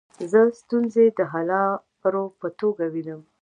زه ستونزي د حللارو په توګه وینم.